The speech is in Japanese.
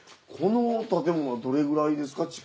この建物はどれくらいですか？